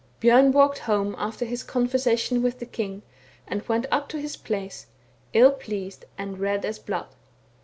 Bjorn walked home after his conversation with the king, and went up to his place, ill pleased and red as blood.